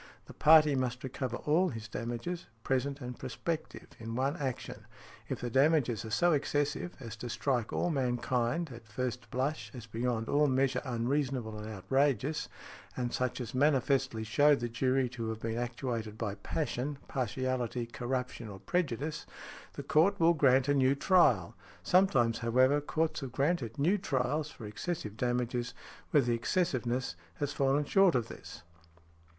The party must recover all his damages, present and prospective, in one action. If the damages are so excessive as to strike all mankind, at first blush, as beyond all measure unreasonable and outrageous, and such as manifestly show the jury to have been actuated by passion, partiality, corruption, or prejudice, the court will grant a new trial. Sometimes, however, courts have granted new trials for excessive damages where the excessiveness has fallen short of this.